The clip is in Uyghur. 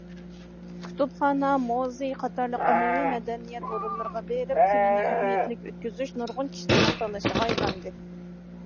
كۇتۇپخانا، مۇزېي قاتارلىق ئاممىۋى مەدەنىيەت ئورۇنلىرىغا بېرىپ كۈنىنى ئەھمىيەتلىك ئۆتكۈزۈش نۇرغۇن كىشىلەرنىڭ تاللىشىغا ئايلاندى.